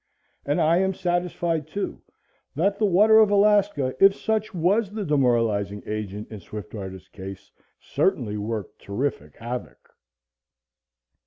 And I am satisfied, too, that the water of Alaska, if such was the demoralizing agent in Swiftwater's case, certainly worked terrific havoc.